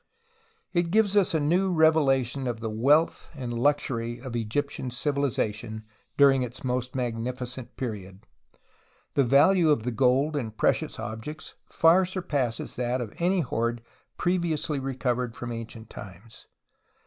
It gives us a new revelation of the wealth and luxury of Egyptian civilization during its most magnificent period. The value of the gold and precious objects ftu* surpasses that of any hoard previously recovered from ancient times.